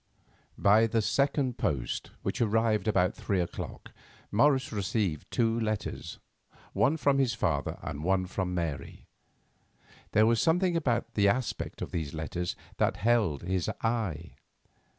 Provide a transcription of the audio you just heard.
By the second post, which arrived about three o'clock, Morris received two letters, one from his father and one from Mary. There was something about the aspect of these letters that held his eye.